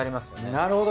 なるほど。